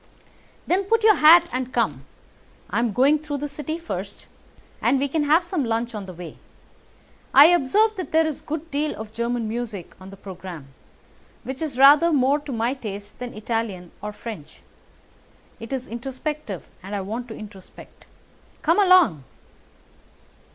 "Then put on your hat and come. I am going through the City first, and we can have some lunch on the way. I observe that there is a good deal of German music on the programme, which is rather more to my taste than Italian or French. It is introspective, and I want to introspect. Come along!"